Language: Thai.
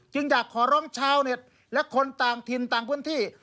อยากขอร้องชาวเน็ตและคนต่างถิ่นต่างพื้นที่